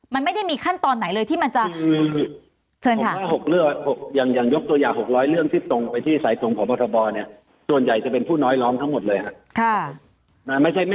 มันไม่ได้มีขั้นตอนไหนเลยที่มันจะคือ